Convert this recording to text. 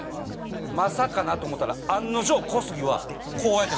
まさかなと思ったら案の定小杉はこうやって。